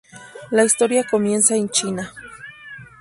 La historia comienza en China.